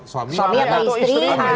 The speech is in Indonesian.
suami suami atau istri